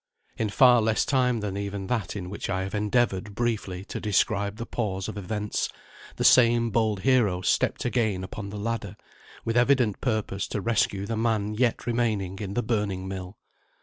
In far less time than even that in which I have endeavoured briefly to describe the pause of events, the same bold hero stepped again upon the ladder, with evident purpose to rescue the man yet remaining in the burning mill.